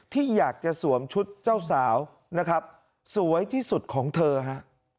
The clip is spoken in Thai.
ที่อยากจะสวมชุดเจ้าสาวนะครับสวยที่สุดของเธอฮะ